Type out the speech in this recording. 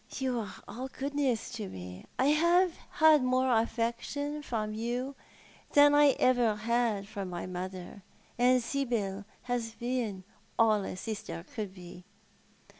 "You are all goodness to me. I have had more affection from you than I ever had from my mother, and Sibyl has been all a sister could be.